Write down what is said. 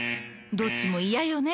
どっちもイヤよね？